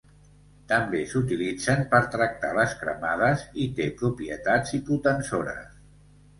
També s'utilitzen per tractar les cremades i té propietats hipotensores.